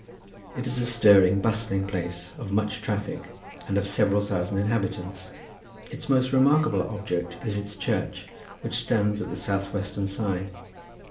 It is a stirring bustling place, of much traffic, and of several thousand inhabitants. Its most remarkable object is its church, which stands at the south western side.